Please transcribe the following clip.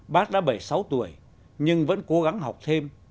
bác đã bảy mươi sáu tuổi nhưng vẫn cố gắng học thêm